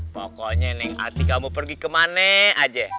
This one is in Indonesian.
pokoknya neng atika mau pergi kemana aja